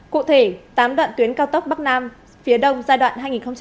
cụ thể tám đoạn tuyến cao tốc bắc nam phía đông giai đoạn hai nghìn một mươi sáu hai nghìn hai mươi năm